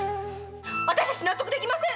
私たち納得できません！